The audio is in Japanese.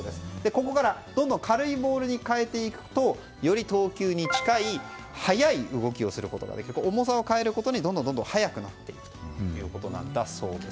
ここからどんどん軽いボールに変えていくとより投球に近い速い動きをすることができる重さを変えるごとに、どんどん速くなっていくんだそうです。